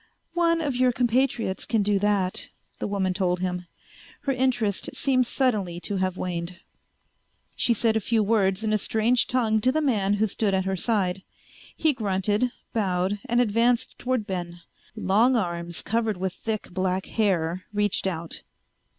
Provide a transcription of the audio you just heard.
"One of your compatriots can do that," the woman told him. Her interest seemed suddenly to have waned. She said a few words in a strange tongue to the man who stood at her side. He grunted, bowed, and advanced toward Ben. Long arms, covered with thick black hair, reached out.